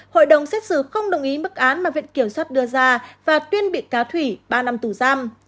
hội đồng xét xử không đồng ý bức án mà viện kiểm soát đưa ra và tuyên bị cáo thủy ba năm tù giam